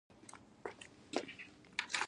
دا پړاو د داخلي او بهرنۍ سوداګرۍ ځپل دي